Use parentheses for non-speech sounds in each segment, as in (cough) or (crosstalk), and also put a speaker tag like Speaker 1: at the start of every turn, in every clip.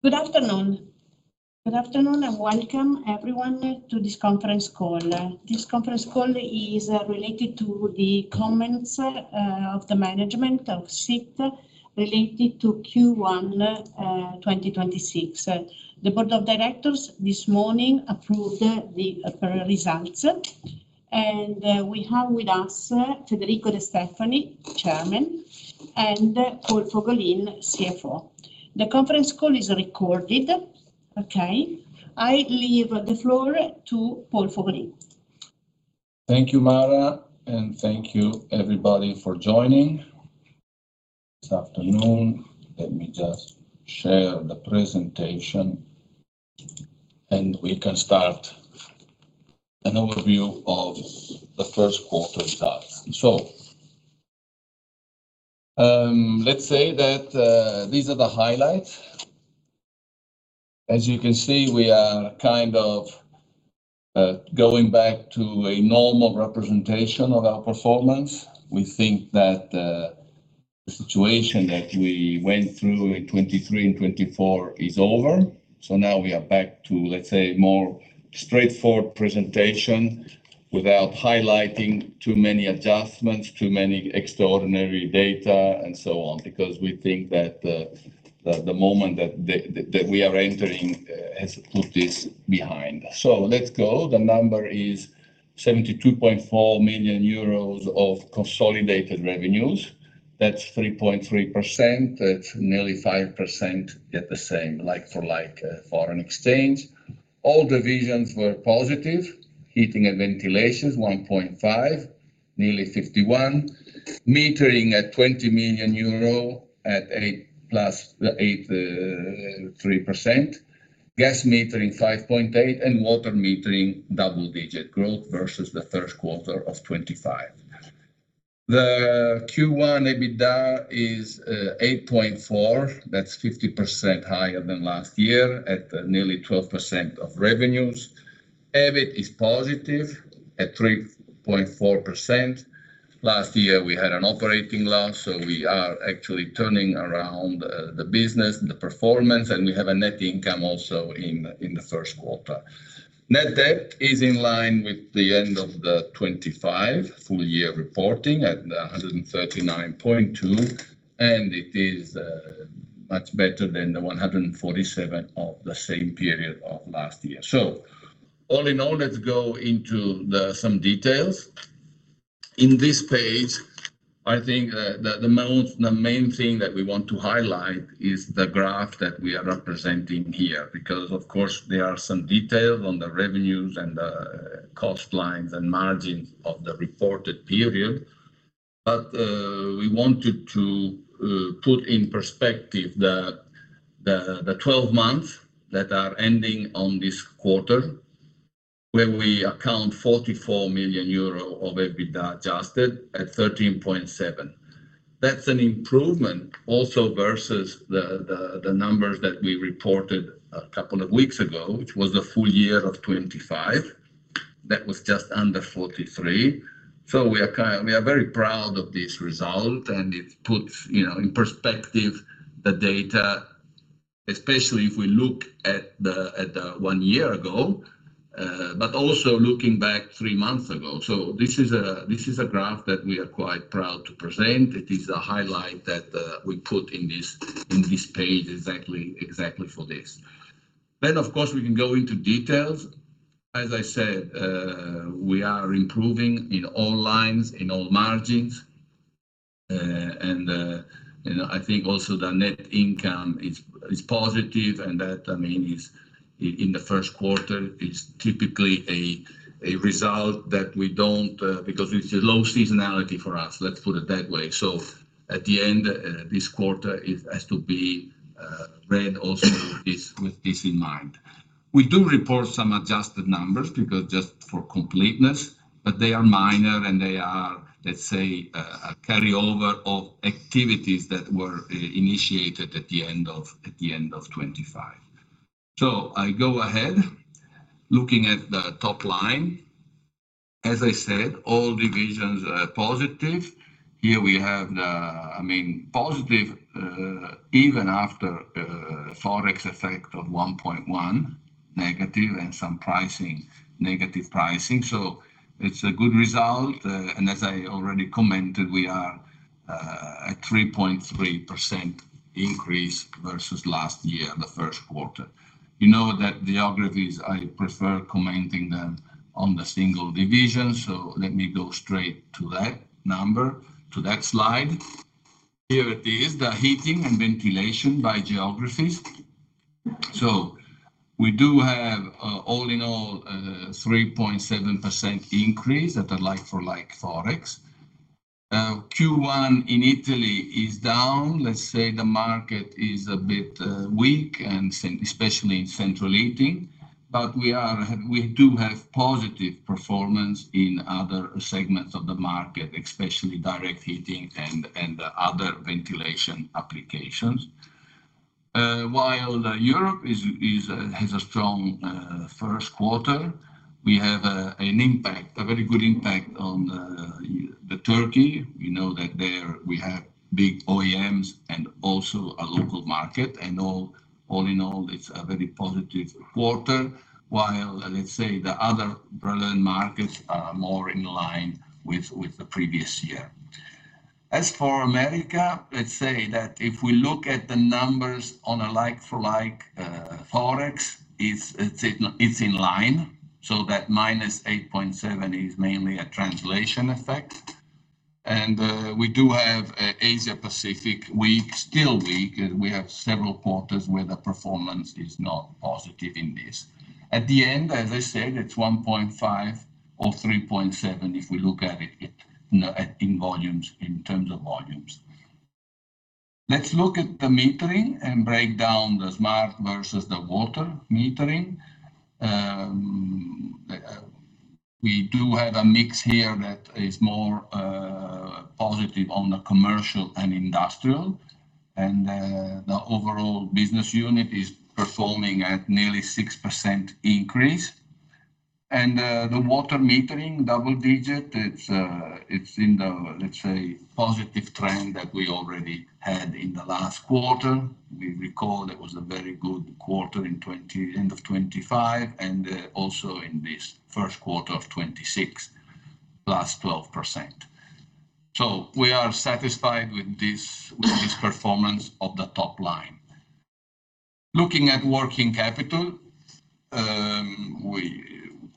Speaker 1: Good afternoon. Good afternoon, and welcome everyone to this conference call. This conference call is related to the comments of the management of SIT related to Q1 2026. The Board of Directors this morning approved the results. We have with us Federico de Stefani, Chairman, and Paul Fogolin, CFO. The conference call is recorded. Okay. I leave the floor to Paul Fogolin.
Speaker 2: Thank you, Mara, and thank you everybody for joining this afternoon. Let me just share the presentation and we can start an overview of the first quarter results. Let's say that these are the highlights. As you can see, we are kind of going back to a normal representation of our performance. We think that the situation that we went through in 2023 and 2024 is over, now we are back to, let's say, more straightforward presentation without highlighting too many adjustments, too many extraordinary data, and so on, because we think that the moment that we are entering has put this behind us. Let's go. The number is 72.4 million euros of consolidated revenues. That's 3.3%. That's nearly 5% at the same like-for-like foreign exchange. All divisions were positive. Heating & Ventilation is 1.5%, nearly 51 million. Metering at 20 million euro at 8.3%. Gas metering, 5.8%, and water metering, double-digit growth versus the first quarter of 2025. The Q1 EBITDA is 8.4 million. That's 50% higher than last year, at nearly 12% of revenues. EBIT is positive at 3.4%. Last year we had an operating loss, so we are actually turning around the business, the performance, and we have a net income also in the first quarter. Net debt is in line with the end of the 2025 full-year reporting at 139.2 million, and it is much better than the 147 million of the same period of last year. All in all, let's go into the some details. In this page, I think, the main thing that we want to highlight is the graph that we are representing here, because of course there are some details on the revenues and the cost lines and margins of the reported period. We wanted to put in perspective the 12 months that are ending on this quarter, where we account 44 million euro of EBITDA adjusted at 13.7%. That's an improvement also versus the numbers that we reported a couple of weeks ago, which was the full year of 2025. That was just under 43 million. We are very proud of this result and it puts, you know, in perspective the data, especially if we look at the, at one year ago, also looking back three months ago. This is a graph that we are quite proud to present. It is a highlight that we put in this page exactly for this. Of course, we can go into details. As I said, we are improving in all lines, in all margins. You know, I think also the net income is positive and that, I mean, in the first quarter is typically a result that we don't because it's a low seasonality for us, let's put it that way. This quarter it has to be read also with this, with this in mind. We do report some adjusted numbers because just for completeness, but they are minor and they are, let's say, a carryover of activities that were initiated at the end of, at the end of 2025. I go ahead. Looking at the top line, as I said, all divisions are positive. Here we have the I mean, positive, even after forex effect of -1.1 and some pricing, negative pricing. It's a good result. And as I already commented, we are at 3.3% increase versus last year, the first quarter. You know that the geographies, I prefer commenting them on the single division, let me go straight to that number, to that slide. Here it is, the Heating & Ventilation by geographies. We do have all in all a 3.7% increase at a like-for-like forex. Q1 in Italy is down. Let's say the market is a bit weak and especially in Central Heating. We do have positive performance in other segments of the market, especially Direct Heating and other ventilation applications. While Europe has a strong first quarter, we have an impact, a very good impact on Turkey, we know that there we have big OEMs and also a local market, and all in all, it's a very positive quarter. While, let's say the other European markets are more in line with the previous year. As for America, let's say that if we look at the numbers on a like-for-like forex, it's in line, so that -8.7% is mainly a translation effect. We do have Asia-Pacific weak, still weak. We have several quarters where the performance is not positive in this. At the end, as I said, it's 1.5% or 3.7% if we look at it in volumes, in terms of volumes. Let's look at the Metering and break down the Smart versus the Water Metering. We do have a mix here that is more positive on the commercial and industrial. The overall business unit is performing at nearly 6% increase. The Water Metering double digit, it's in the, let's say, positive trend that we already had in the last quarter. We recall it was a very good quarter in 2020, end of 2025, also in this first quarter of 2026, plus 12%. We are satisfied with this performance of the top line. Looking at working capital,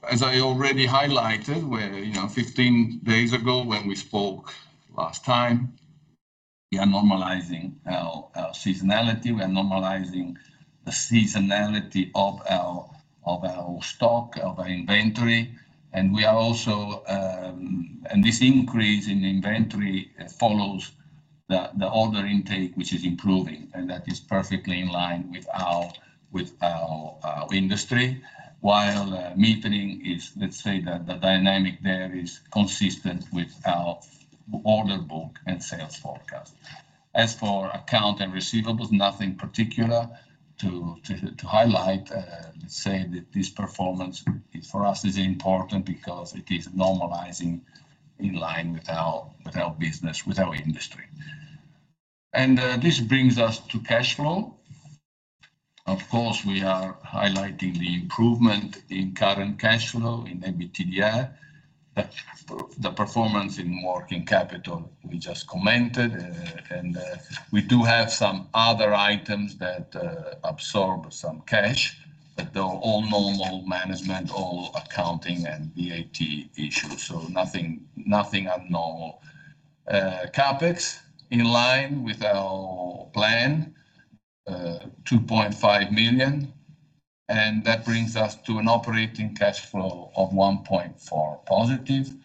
Speaker 2: as I already highlighted where, you know, 15 days ago when we spoke last time, we are normalizing our seasonality, we are normalizing the seasonality of our stock, of our inventory. This increase in inventory follows the order intake which is improving, and that is perfectly in line with our industry. Metering is, let's say that the dynamic there is consistent with our order book and sales forecast. As for account and receivables, nothing particular to highlight. Let's say that this performance for us is important because it is normalizing in line with our, with our business, with our industry. This brings us to cash flow. Of course, we are highlighting the improvement in current cash flow in EBITDA. The performance in working capital, we just commented. We do have some other items that absorb some cash, but they're all normal management, all accounting and VAT issues. Nothing abnormal. CapEx in line with our plan, 2.5 million, and that brings us to an operating cash flow of +1.4 million.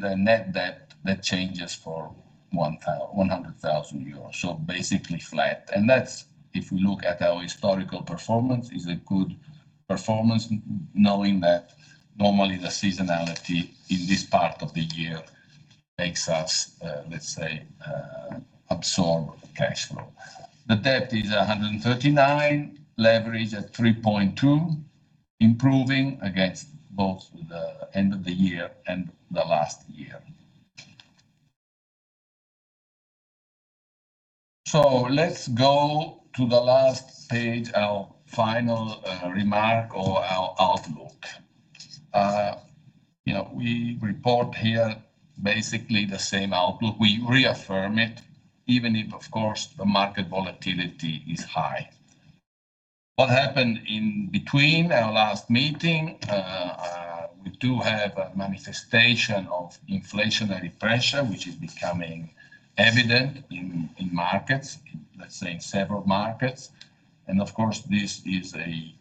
Speaker 2: The net debt, that changes for 100,000 euros, basically flat. That's, if we look at our historical performance, is a good performance, knowing that normally the seasonality in this part of the year makes us, let's say, absorb cash flow. The debt is 139 million, leverage at 3.2x, improving against both the end of the year and the last year. Let's go to the last page, our final remark or our outlook. You know, we report here basically the same outlook. We reaffirm it, even if, of course, the market volatility is high. What happened in between our last meeting, we do have a manifestation of inflationary pressure, which is becoming evident in markets, in, let's say, in several markets. Of course, this is an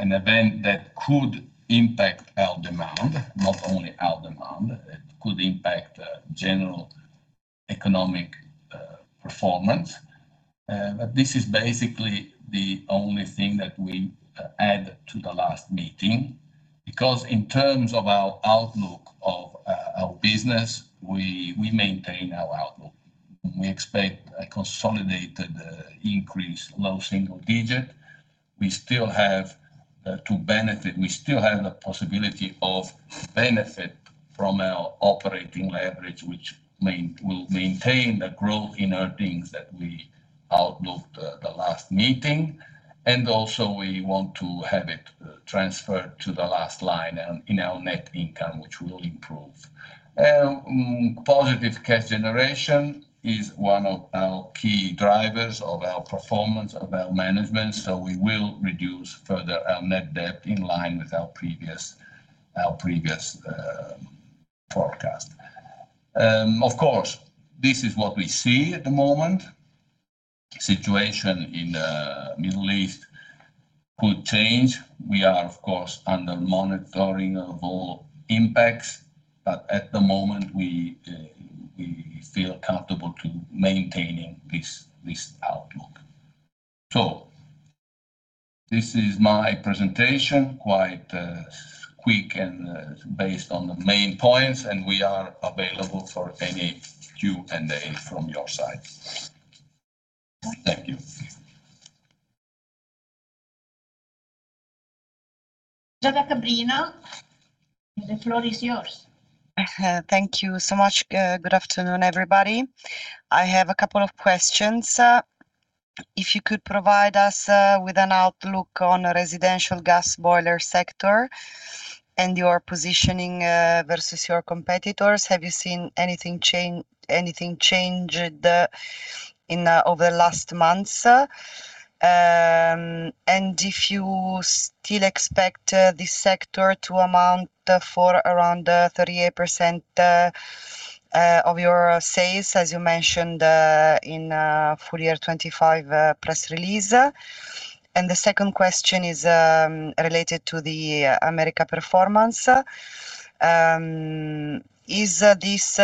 Speaker 2: event that could impact our demand, not only our demand. It could impact general economic performance. This is basically the only thing that we add to the last meeting. In terms of our outlook of our business, we maintain our outlook. We expect a consolidated increase, low single digit. We still have the possibility of benefit from our operating leverage, which will maintain the growth in earnings that we outlooked the last meeting. Also we want to have it transferred to the last line and in our net income, which will improve. Positive cash generation is one of our key drivers of our performance, of our management, we will reduce further our net debt in line with our previous forecast. Of course, this is what we see at the moment. Situation in Middle East could change. We are, of course, under monitoring of all impacts. At the moment, we feel comfortable to maintaining this outlook. This is my presentation, quite quick and based on the main points, and we are available for any Q&A from your side. Thank you.
Speaker 1: Giada Cabrino, the floor is yours.
Speaker 3: Thank you so much. Good afternoon, everybody. I have a couple of questions. If you could provide us with an outlook on residential gas boiler sector and your positioning versus your competitors. Have you seen anything change over the last months? If you still expect this sector to amount for around 38% of your sales as you mentioned in full-year 2025 press release? The second question is related to the America performance. Is this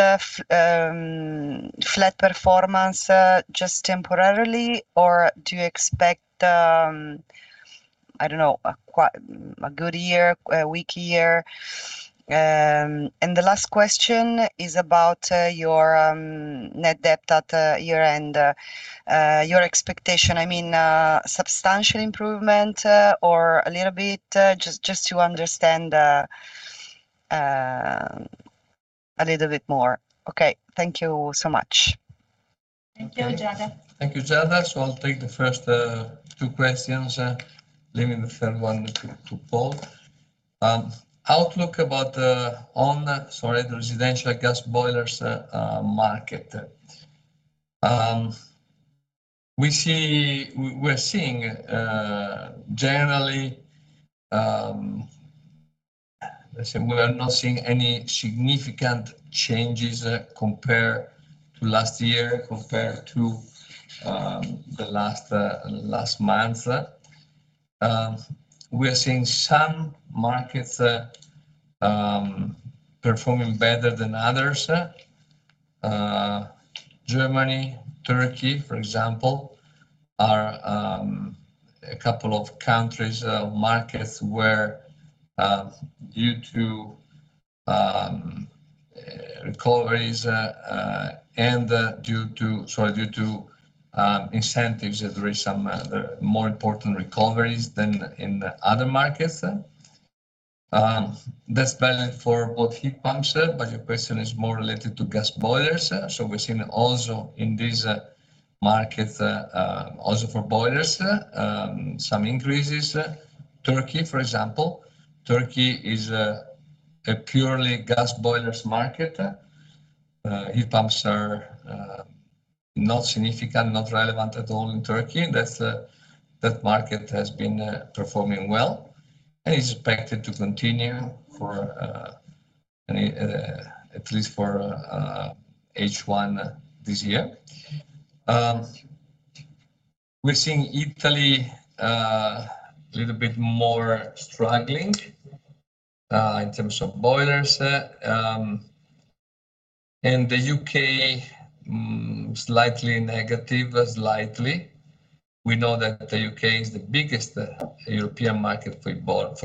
Speaker 3: flat performance just temporarily or do you expect a good year, a weak year? The last question is about your net debt at year end. Your expectation, I mean, substantial improvement, or a little bit? Just to understand a little bit more. Okay, thank you so much.
Speaker 1: Thank you, Giada.
Speaker 4: Thank you, Giada. I'll take the first two questions, leaving the third one to Paul. Outlook on residential gas boilers market. We're seeing generally, let's say we are not seeing any significant changes compared to last year, compared to the last month. We are seeing some markets performing better than others. Germany, Turkey, for example, are a couple of countries, markets where, due to recoveries and due to incentives, there is some more important recoveries than in the other markets. That's valid for both heat pumps, but your question is more related to gas boilers. We've seen also in this market, also for boilers, some increases. Turkey, for example, Turkey is a purely gas boilers market. Heat pumps are not significant, not relevant at all in Turkey. That market has been performing well and is expected to continue for at least for H1 this year. We're seeing Italy a little bit more struggling in terms of boilers. The U.K., slightly negative, slightly. We know that the U.K. is the biggest European market for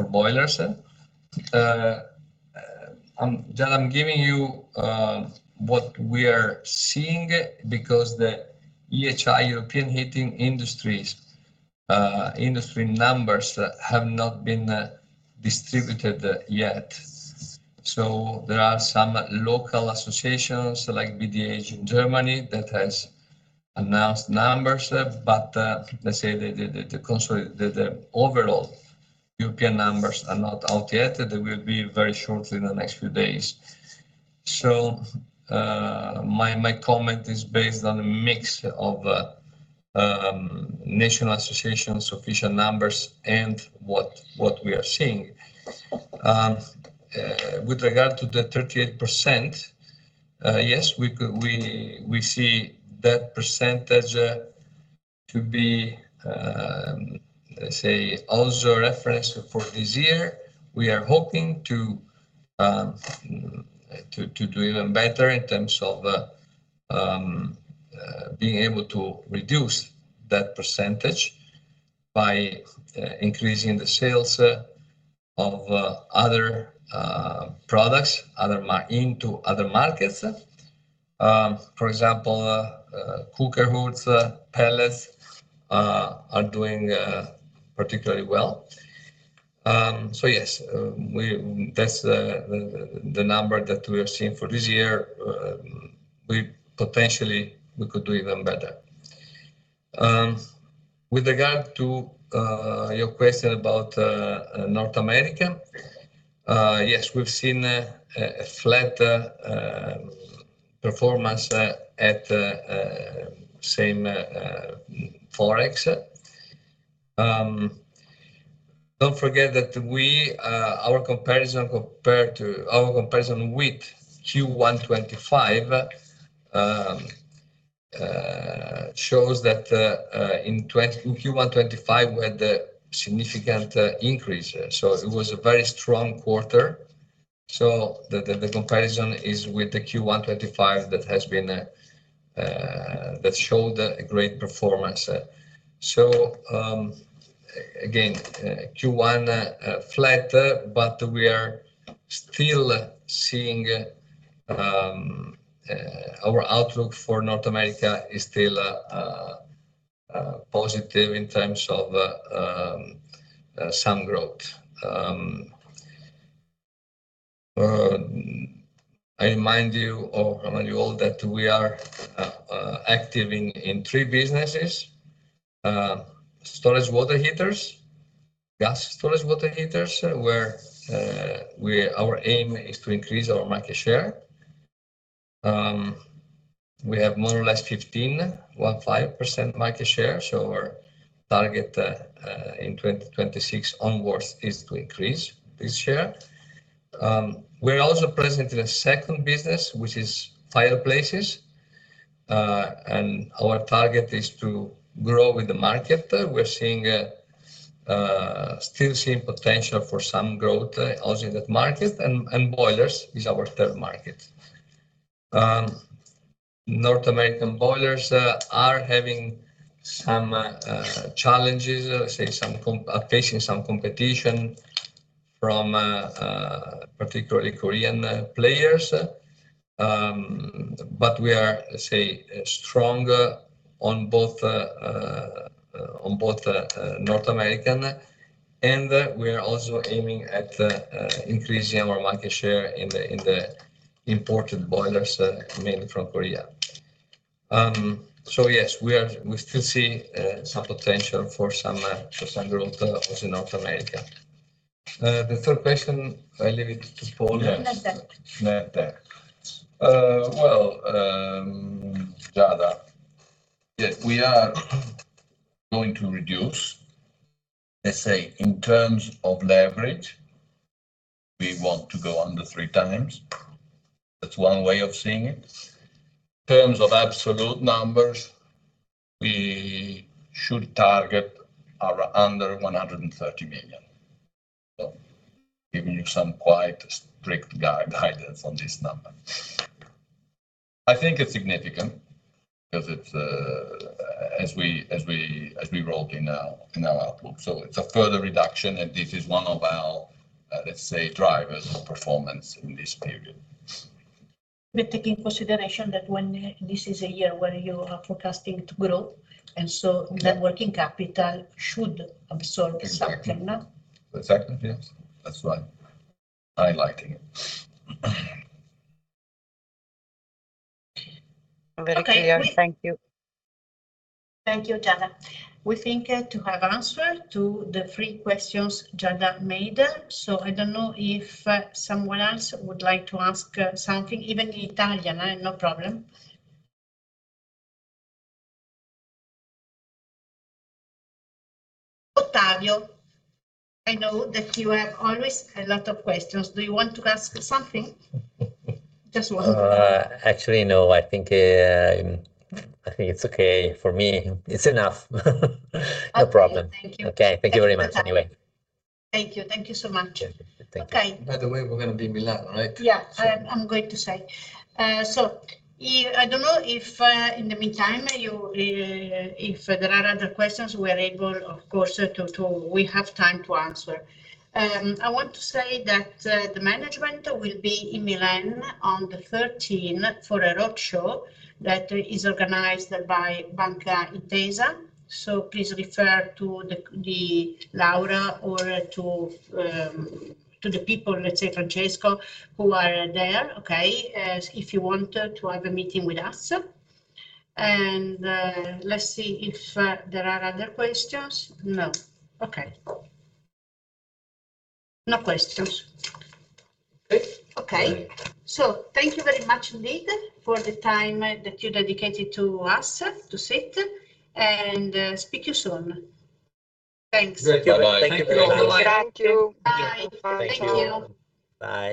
Speaker 4: boilers. Giada, I'm giving you what we are seeing because the EHI, European Heating Industry, industry numbers have not been distributed yet. There are some local associations like BDH in Germany that has announced numbers, but let's say the overall European numbers are not out yet. They will be very shortly in the next few days. My comment is based on a mix of national associations, official numbers and what we are seeing. With regard to the 38%, yes, we see that percentage to be, let's say, also referenced for this year. We are hoping to do even better in terms of being able to reduce that percentage by increasing the sales of other products into other markets. For example, cooker hoods, pellets are doing particularly well. Yes, That's the number that we are seeing for this year. We potentially could do even better. With regard to your question about North America, yes, we've seen a flat performance at same forex. Don't forget that our comparison with Q1 2025 shows that in Q1 2025 we had a significant increase. It was a very strong quarter. The comparison is with the Q1 2025 that has been that showed a great performance. Again, Q1 flat, but we are still seeing our outlook for North America is still positive in terms of some growth. Remind you all that we are active in three businesses. Storage water heaters, gas storage water heaters, where our aim is to increase our market share. We have more or less 15% market share. Our target in 2026 onwards is to increase this share. We're also present in a second business, which is fireplaces. Our target is to grow with the market. We're still seeing potential for some growth also in that market. Boilers is our third market. North American boilers are having some challenges, say facing some competition from particularly Korean players. We are, say, stronger on both North American. We are also aiming at increasing our market share in the imported boilers coming from Korea. Yes, we still see some potential for some growth, also in North America. The third question, I leave it to Paul.
Speaker 2: Yes.
Speaker 1: Net debt.
Speaker 2: Net debt. Well, Giada, yeah, we are going to reduce. Let's say in terms of leverage, we want to go under 3x. That's one way of seeing it. In terms of absolute numbers, we should target our under 130 million. Giving you some quite strict guidance on this number. I think it's significant because it's as we rolled in our, in our outlook. It's a further reduction, and this is one of our, let's say, drivers for performance in this period.
Speaker 3: We take in consideration that when this is a year where you are forecasting to grow.
Speaker 2: Yeah
Speaker 3: the working capital should absorb something.
Speaker 2: Exactly. Exactly, yes. That's why I liked it.
Speaker 3: Very clear.
Speaker 1: Okay.
Speaker 3: Thank you.
Speaker 1: Thank you, Giada. We think to have answered to the three questions Giada made. I don't know if someone else would like to ask something, even in Italian, no problem. Ottavio, I know that you have always a lot of questions. Do you want to ask something? Just one.
Speaker 5: Actually, no. I think it's okay for me. It's enough.
Speaker 1: Okay.
Speaker 5: No problem. Thank you. Okay. Thank you very much anyway.
Speaker 1: Thank you. Thank you so much.
Speaker 5: Yeah. Thank you. Okay.
Speaker 2: By the way, we're gonna be in Milan, right?
Speaker 1: Yeah.
Speaker 2: So-
Speaker 1: I'm going to say. I don't know if in the meantime you, if there are other questions, we're able of course to answer. I want to say that the management will be in Milan on the 13 for a roadshow that is organized by Banca Intesa, please refer to Laura or to the people, let's say Francesco, who are there, if you want to have a meeting with us. Let's see if there are other questions. No. Okay. No questions.
Speaker 2: Okay.
Speaker 1: Okay.
Speaker 2: Great.
Speaker 1: Thank you very much indeed for the time that you dedicated to us, to SIT, and speak to you soon. Thanks.
Speaker 2: (crosstalk)
Speaker 4: (crosstalk) Thank you. Bye.